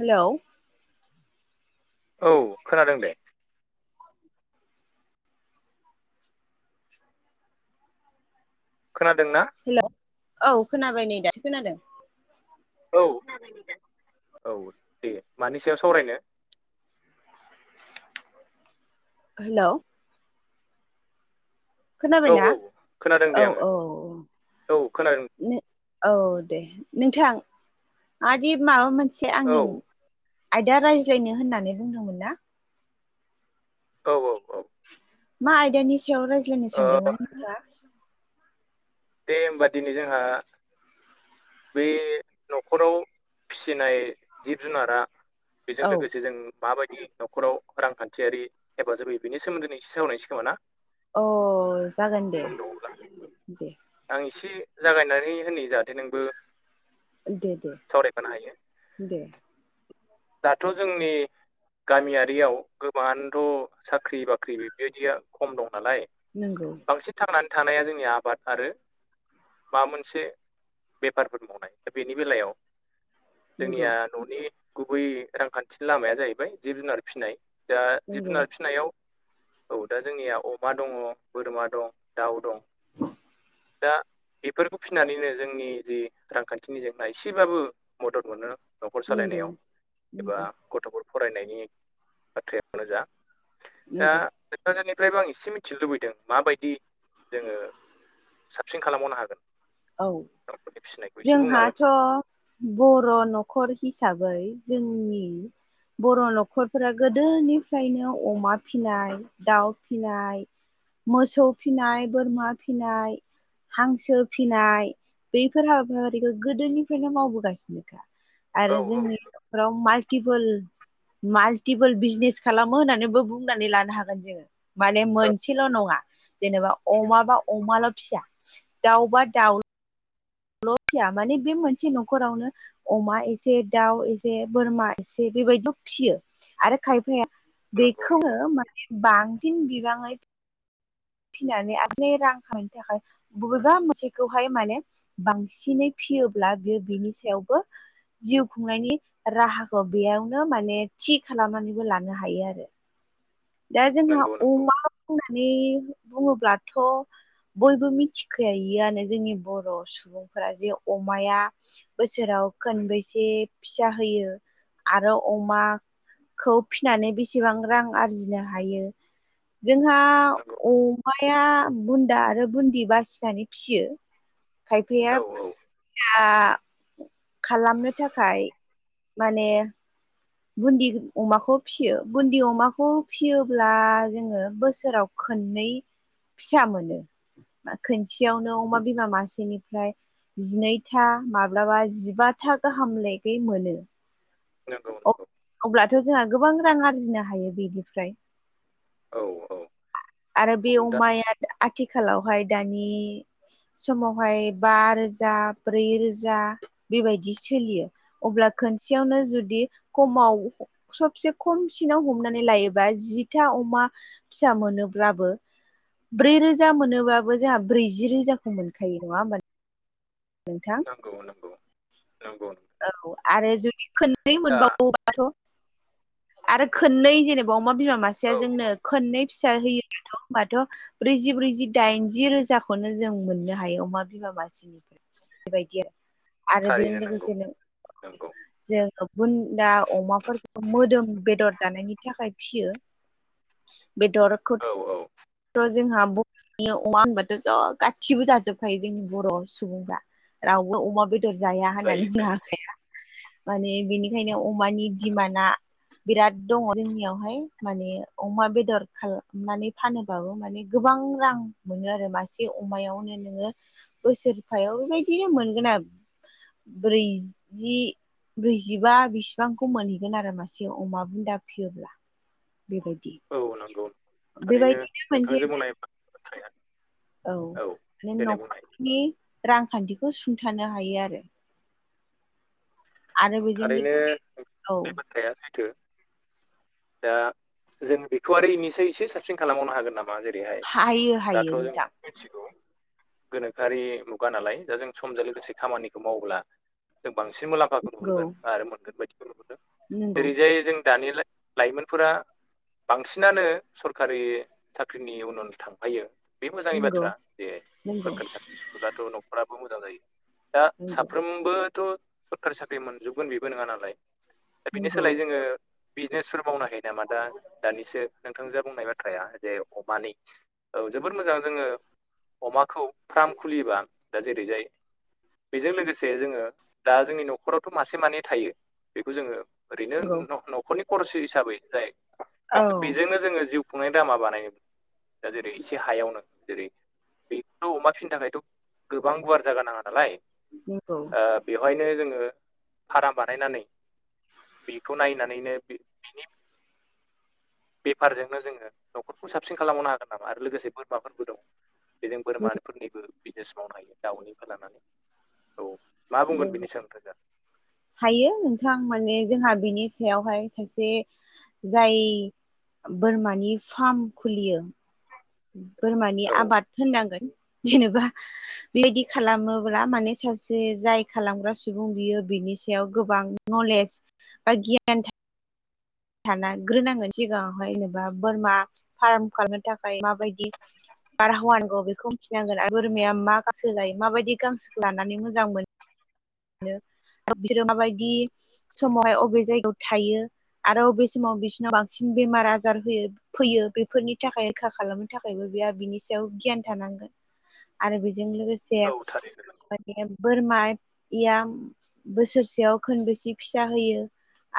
Hello औ खोनादों दे खोनादों ना हेलौ औ खोनाबाय नै दासो खोनादों औ औ दे मानि सायाव सावरायनो हेलौ खोनाबाय औ ना औ खोनादों दे औ आङो औ औ खोनादों औ औ दे नोंथांआदि माबा मोनसे औ आंनों आयदा रायज्लायनो होननानै बुंदोंमोन ना औ औ औ मा आयदानि सायाव रायज्लायनो ओ सानदोंमोन नोंथाङा दे होमबा दिनै जोंहा बे न'खराव फिसिनाय जिब जुनारा बेजों औ लोगोसे जों माबायदि न'खराव रांखान्थियारि हेफाजाब होयो बेनि सोमोन्दै नों एसे सावरायनायसै खोमा ना अ जागोन दे सम दङब्ला दे आं एसे जागायनानै होनि जाहाथे नोंबो दे दे सावरायफानो हायो दे दाथ' जोंनि गामियारियाव गोबाङानोथ' साख्रि बाख्रि बेबायदिया खम दं नालाय नंगौ बांसिन थांनानै थानाया जोंनिया आबाद आरो माबा मोनसे बेफारफोर मावनाय दा बेनि बेलायाव नंगौ जोंनिया न'नि गुबै रांखान्थि लामाया जाहैबाय जिब जुनार फिसिनाय दा जिब नंगौ जुनार फिसिनायाव औ दा जोंनिया अमा दङ बोरमा दं दाउ दं [inaudible] दा बेफोरखौ फिनानैनो जोंनि जि रांखान्थिनि जेंना एसेबाबो मदद मोनो न'खर नंगौ सालायनायाव एबा नंगौ गथ'फोर फरायनायनि बाथ्रायानो जा दा नंगौ कक्राझारनिफ्रायबो आं एसे मिथिनो लुबैदों माबायदि जोङो साबसिन खालामबावनो हागोन औ दाउफोरनि फिसिनायखौ एसे बुंनो हागोन जोंहाथ' बर' न'खर हिसाबै जोंनि बर' न'खरफोरा गोदोनिफ्रायनो अमा फिसिनाय दाउ फिनाय मोसौ फिनाय बोरमा फिनाय हांसो फिनाय बैफोर हाबाफफारिखौ गोदोनिफ्रायनो मावबोगासिनोखा औ आरो जोंनि न'खराव माइ टिफोल माल्टिपोल बिजनेस खालामो होननानैबो बुंनानै लानो हागोन जोङो माने औ मोनसेल' नङा जेनेबा अमा बा अमाल' फिया दाउबा दाउ ल' फिया माने बे मोनसे न'खरावनो अमा एसे दाउ एसे बोरमा एसे बेबायदि फियो आरो खायफाया नंगौ नंगौ बेखौनो माने बांसिन बिबाङै फिनानै [inaudible] रां खामायनो थाखाय बबेबा मोनसेखौहाय माने बांसिनै फियोब्ला बियो बिनि सायावबो जिउ खुंनायनि राहाखौ बेयावनो माने थि खालामनानैबो लानो हायो आरो दा जोंहा नंगौ अमा होननानै बुङोब्लाथ' बयबो मिथिखानो जोंनि बर' सुबुंफोरा जे अमाया बोसोराव खोनबेसे फिसा होयो आरो अमा खौ फिज्ञनानै बेसेबां रां आरजिनो हायो जोंहा नंगौ नंगौ अमाया बुन्दा आरो बुन्दि बासिनानै फियो खायफाया औ औ निया खालामनो थाखाय माने बुन्दि अमाखौ फियो बुन्दि अमाखौ फियोब्ला जोङो बोसोराव खोननै फिसा मोनो खोनसेयावनो अमा बिमा मासेनिफ्राय जिनैथा माब्लाबा जिबाथा गाहाम लागै मोनो नोंगौ अब्लाथ' जोंहा गोबां रां आरजिनो हायो बेनिफ्राय औ औ आरो औ बे दा अमाया आथिखालावहाय दानि समावहाय बा रोजा ब्रै रोजा बेबायदि सोलियो। अब्ला खोनसेयावनो जुदि खमाव सबसे खमसिनाव हमनानै लायोबा जिथा अमा फिसा मोनोब्लाबो ब्रै रोजा मोनोबाबो जोहा ब्रैजि रोजाखौ मोनखायो नङा होमबा नोंथां नंगौ नंगौ नंगौ औ आरो जुदि खोननै दा मोनबावोबा थ आरो खोननै जेनेबा अमा बिमा मासेया औ जोंनो औ खोननै फि सा होयो ब्लाथ' होनबाथ' ब्रैजि ब्रैजि दाइनजि रोजाखौनो जों मोननो हायो अमा बिमा मासेनिफ्राय बेबायदि आरो आरो बेजों थारैनो नंगौ लोगोसे नों नंगौ जोङो बुन्दा अमाफोरखौ मोदोम बेदर जानायनि थाखाय फियो बे दरखौ औ औ थ' जोंहा बरनि अमा होनबाथ' ज' गासिबो जाजोबखायो जोंनि बर' सुबुंफ्रा रावबो अमा बेद दर जाया जायो होननानै बुंनो जायो हाखाया माने बिनिखायनो अमानि डिमाना बिराद दङ' जोंनियावहाय माने अमा बेदर खालामनानै फानो बाबो माने गोबां रां मोनो आरो मासे अमायावनो नोङो बोसोरफायाव बेबायदिनो मोनगोना ब्रैजि ब्रैजिबा बिसिबांखौ मोनहैगोन आरो मासे अमा बुन्दा फियोब्ला। बेबायदि। औ नंगौ थारैनो बेबायदिनो मोनसे नोंथांजों बुंनाय बाथ्राया औ देनाय बुंनाय नि रांखान्थिखौ सुंथानो हायो आरो। आरो औ बेजों थारैनो लोगोसे औ बे बाथ्राया सैथो। दा जों बेखौ आरो इनिसाय एसे साबसिन खालामबावनो हागोन नामा? बा जेरैहाय हायो हायो दाथ' जों नोंथां मिथिगौ। गोनोखोआरि मुगा नालाय दा जों समजों लोगोसे खामानिखौ मावब्ला जों बांसिन मुलाम्फा नंगौ नुहुरगोन आरो मोनगोन बायदिखौ नुहुरदों नंगौ जेरैजाय जों दानि लाय लाइमोनफोरा बांसिनानो सरखारि साख्रिनि उन उन थांफायो। बे मोजांनि नंगौ बाथ्रा जे नंगौ सरखारि साख्रिब्लाथ' न'खराबो मोजां जायो। दा नंगौ साफ्रोमबोथ' सरकारि साख्रि मोनजोबगोन बेबो नोङा नालाय दा बेनि नंगौ सोलाय जोङो बिजनेसफोर मावनो हायो नामा दा दानिसो नोंथांजो बुंनाय बाथ्राया जे अमानि औ जोबोद मोजां जोङो अमाखौ फार्म खुलियोब्ला दा जेरैजाय बेजों लोगोसे जोङो दा जोंनि नख खरावथ' मासे मानै थायो बेखौ जोङो ओरैनो नंगौ न' -न'खरनि खरस हिसाबै जाय औ [inaudible] बेजोंनो जोङो जिउ खुंनायनि दामा बानायो। दा जेरै एसे हायावनो जेरै बेखौ अमा फिनो थाखायथ' गोबां गुवार जागा नाङा दालाय नोंगौ। ओ बेवहायनो जोङो फाराम बानायनानै बेखौ नायनानैनो बे बेफारजोंनो जोङो न'खरखौ साबसिन खालामबावनो हागोन नामा आरो लोगोसे बोरमाफोरबो दङ'। बेजों बोरमाफोरनिबो बिजनेस मावनो हायो दाउनिफ्राय लानानै औ। मा बुंगोन नंगौ बिनि सायाव नोंथाङा दा? हायो नोंथां माने जोंहा बिनि सायावहाय सासे जाय बोरमानि फार्म खुलियो। बोरमानि औ आबाद होननांगोन जेनेबा बेबायदि खालामोब्ला माने सासे जाय खालामग्रा सुबुं बियो बिनि सायाव गोबां नलेज बा गियान था थाना ग्रोनांगोन सिगाङावहाय जेनेबा बोरमा फार्म खालामनो थाखाय माबायदि बारहावागौ बेखौ मिथिनांगोन आरो बोरमाया मा गांसो लायो माबायदि गांसोखौ लानानै मोजां मोनो आरो बिसोरो माबायदि समावहाय अबे जायगायाव थायो। आरो बबे समाव बिसोरनाव बांसिन बेमार आजार होयो‌ फैयो बेफोरनि थाखाय रैखा खालामनो थाखायबो बेहा बिनि सायाव गियान थानांगोन। आरो बेजों लोगोसे औ थारैनो नंगौ माने बोरमा या बोसोरसेयाव खोनबेसे फिसा होयो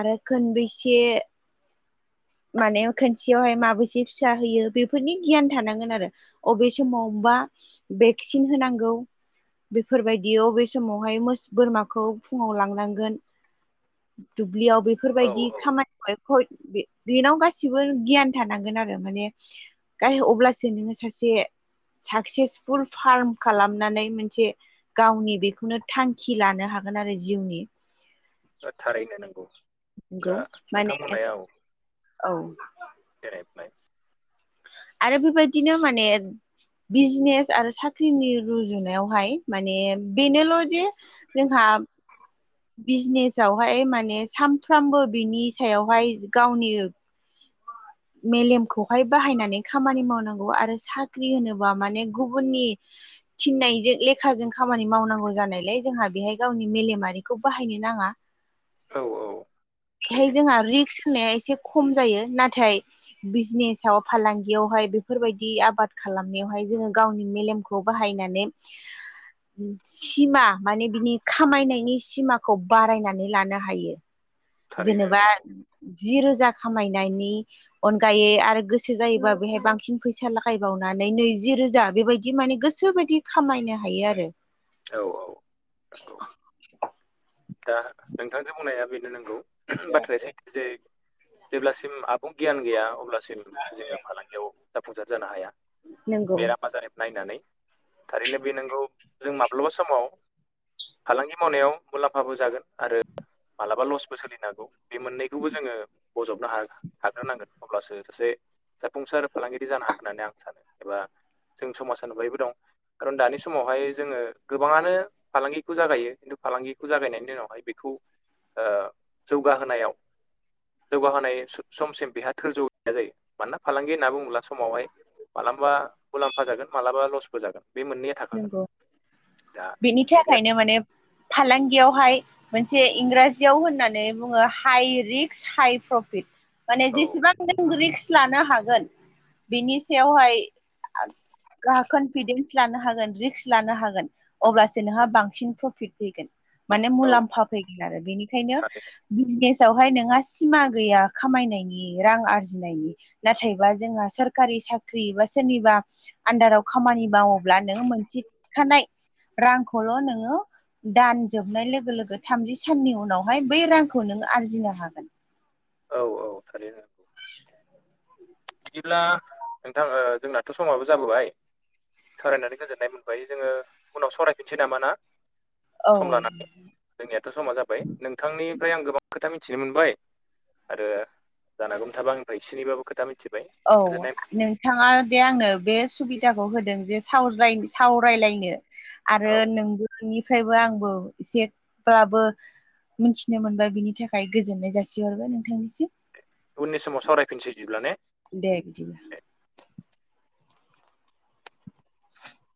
आरो खोनबेसे माने खोनसेयावहाय माबोरैसे फिसा होयो बेफोरनि गियान थानांगोन आरो। अबे समाव बा भेक्सिन होनांगौ। बेफोर बायदियाव अबे समावहाय बोरमाखौ फुङाव लांनांगोन। दुब्लियाव बेफोर औ बायदि औ खामानियाव [unintelligible] बे बेनाव गासिबो गियान थानांगोन आरो माने गा अब्लासो नोङो सासे साक्सेसफुल फार्म खालामनानै मोनसे गावनि बेखौनो थांखि लानो हागोन आरो जिउनि थारैनो नांगौ नंगौ दा माने नोंथांमोननाय औ औ [unintelligible] आरो बेबायदिनो माने बिजनेस आरो साख्रिनि रुजुनायावहाय माने बेनोल' जे जोंहा बिजनेसावहाय माने सानफ्रामबो बिनि सायावहाय गावनि [inaudible] मेलेमखौहाय बाहायनानै खामानि मावनांगौ आरो साख्रि होनोबा माने गुबुननि थिननायजों लेखाजों खामानि मावनांगौ जानायलाय जोंहा बेहाय गावनि मेलेमारिखौ बाहायनो नाङा। औ औ बेहाय थारैनो जोंहा रिक्स होनाया एसे खम जायो नाथाय बिजनेसाव फालांगियावहाय बेफोरबायदि आबाद खालामनायावहाय जोङो गावनि मेलेमखौ बाहायनानै [inaudible] सिमा माने बिनि खामायनायनि सिमाखौ बारायनानै लानो हायो। थारैनो जेनेबा नंगौ जि रोजा खामायनायनि अनगायै आरो गोसो जायोबा बेहाय बांसिन फैसा लागायबावनानै नैजि रोजा बेबायदि माने गोसो बायदि बिदि खामायनो हायो आरो। औ औ नंगौ [inaudible] दा नोंथांजों बुंनाया बेनो नंगौ बाथ्राया सैथो। जे जेब्लासिम आबुं गियान गैया अब्लासिम जोंङो फालांगियाव जाफुंसार जानो हाया नंगौ बेराम आजार नायनानै थारैनो बे नंगौ जों माब्लाबा समाव फालांगि मावनायाव मुलाम फाबो जागोन आरो मालाबा लसबो सोलिनांगौ बे मोननैखौबो जोङो बजबनो ह हाग्रोनांगोन अब्लासो सासे जाफुंसार फालांगिरि जानो हागोन होननानै आं सानो एबा जों समाजा नुबायबो दं। खारन दानि समावहाय जोङो गोबाङानो फालांगिखौ जागायो खिन्थु फालांगि खौ जागायनायनि उनावहाय बेखौ ओ जौगाहोनायाव जौगाहोनाय समसिम बेहा थोरजौ गैया जायो मानोना फालांगि होनना बुंङोब्ला समावहाय मालाबा मुलाम्फा जागोन मालाबा लसबो जागोन बे मोननै नंगौ बेनि बेनो थाखायनो माने फालांगियावहाय मोनसे इंराजियाव होननानै बुंङो हाइ रिक्क हाइ प्रफिट माने औ जेसेबां रिगषक लानो हागोन बिनि सायावहाय कनफिदेन्स लानो हागोन रिक्स लानो हागोन अब्लासो नोंहा बांसिन प्रफिट फैगोन माने औ मुलाम्फा फैगोन आरो बेनिखायनो थारैनो बिजनेसावहाय नोंहा सिमा गैया खामायनायनि रां आरजिनायनि नाथायबा जोंहा सोरखारि साख्रि एा सोरनिबा आन्दाराव खामानि मावोब्ला नोङो मोनसेखानाय रांखौल' नोंङो दान जोबनाय लोगो लोगो थामजि साननि उनावहाय बै रांखौ नों आरजिनो हागोन। औ औ थारैनो बिदिब्ला नोंथां ओ जोंनाथ' समाबो जाबोबाय। सरायनानै गोजोननाय मोनबाय जोङो उनाव सरायफिनसै नामा ना सम औ लानानै? जोंनियाथ' समा जाबाय नोंथांनिफ्राय आं गोबां खोथा मिथिनो मोनबाय। आरो जानागौम थाबा आंनिफ्राय सनैबाबो खोथा मिथिबाय। औ गोजोननाय नों बिथांङा दे आंनो बे सुबिदाखौ होदों जे साव सावरायलायनो आरो औ नोंगौनिफ्रायबो आंबो एसेब्लाबो मिथिनो मोनबा बिनि थाखाय गोजोननाय जासिहरबाय नोंथांनिसिम। उननि समाव सावरायफिनसै बिदिब्ला ने दे बिदिब्ला [inaudible]